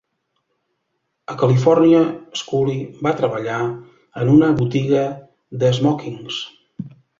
A Califòrnia, Scully va treballar en una botiga d'esmòquings.